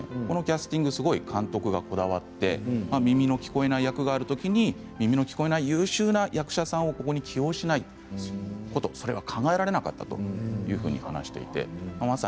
このキャスティングすごく監督がこだわって耳の聞こえない役があるときに実際に耳の聞こえない優秀な役者さんもここに起用しないということそれは考えられないというふうに話をしていて。